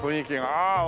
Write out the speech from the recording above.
ああ！